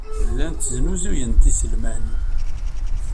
Llant snuzuyent iselman.